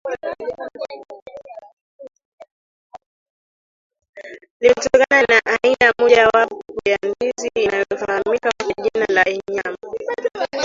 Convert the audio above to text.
limetokana na aina moja wapo ya ndizi inayofahamika kwa jina la Enyambo